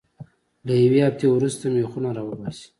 له یوې هفتې وروسته میخونه را وباسئ.